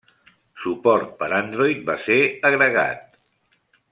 Suport per Android va ser agregat.